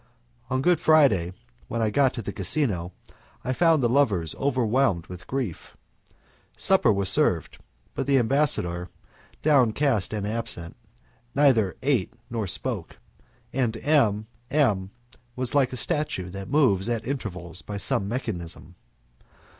On Good Friday, when I got to the casino, I found the lovers over whelmed with grief. Supper was served, but the ambassador, downcast and absent, neither ate nor spoke; and M M was like a statue that moves at intervals by some mechanism.